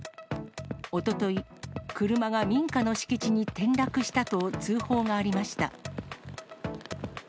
おととい、車が民家の敷地に転落したと通報がありました。